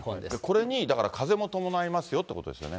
これにだから、風も伴いますよっていうことですよね。